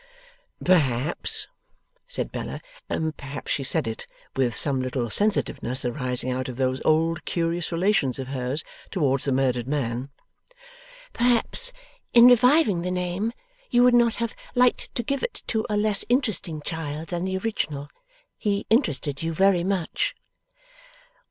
'Perhaps,' said Bella; and perhaps she said it with some little sensitiveness arising out of those old curious relations of hers towards the murdered man; 'perhaps, in reviving the name, you would not have liked to give it to a less interesting child than the original. He interested you very much.